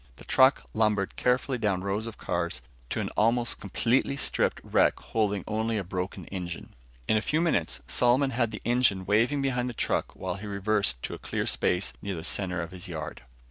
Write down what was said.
The truck lumbered carefully down rows of cars to an almost completely stripped wreck holding only a broken engine. In a few minutes, Solomon had the engine waving behind the truck while he reversed to a clear space near the center of his yard.